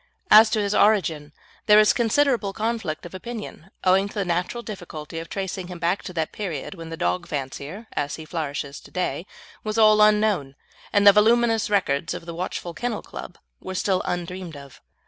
As to his origin, there is considerable conflict of opinion, owing to the natural difficulty of tracing him back to that period when the dog fancier, as he flourishes to day, was all unknown, and the voluminous records of a watchful Kennel Club were still undreamed of.